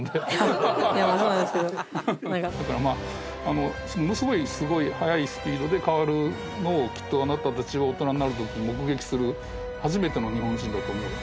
だから、まあものすごいすごい速いスピードで変わるのをきっと、あなたたちが大人になる時に目撃する初めての日本人だと思うよ。